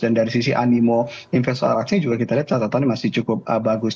dan dari sisi animo investor arak aiknya juga kita lihat catatan masih cukup bagus